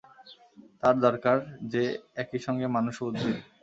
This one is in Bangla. তার দরকার, যে একই সঙ্গে মানুষ এবং উদ্ভিদ।